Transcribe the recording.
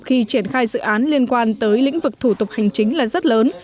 khi triển khai dự án liên quan tới lĩnh vực thủ tục hành chính là rất lớn